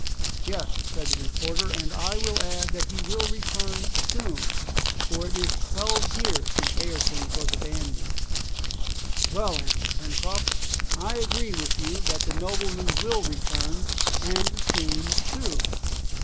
"Yes," said the reporter, "and I will add that he will return soon, for it is twelve years since Ayrton was abandoned." "Well!" answered Pencroft, "I agree with you that the nobleman will return, and soon too.